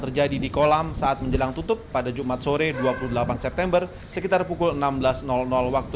terjadi di kolam saat menjelang tutup pada jumat sore dua puluh delapan september sekitar pukul enam belas waktu